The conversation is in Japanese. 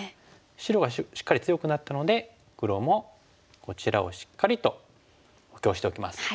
白がしっかり強くなったので黒もこちらをしっかりと補強しておきます。